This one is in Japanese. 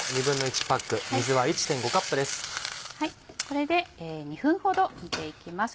これで２分ほど煮て行きます。